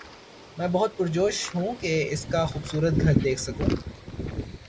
میں بہت پرجوش ہوں کہ اس کا خوبصورت گھر دیکھ سکوں